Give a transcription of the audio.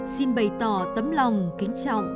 xin bày tỏ tấm lòng kính chào